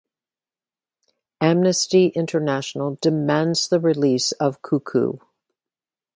Amnesty International demands the release of Kuku.